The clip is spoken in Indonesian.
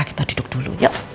kita duduk dulu yuk